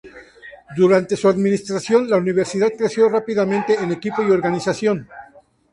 Durante su administración, la Universidad creció rápidamente en equipo y organización.